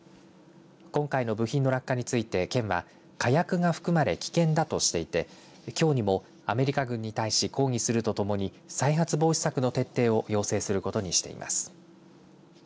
今回の部品の落下について県は火薬が含まれ危険だとしていてきょうにも、アメリカ軍に対し抗議するとともに再発防止策の徹底を要請することにしています。